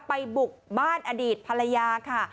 บุกบ้านอดีตภรรยาค่ะ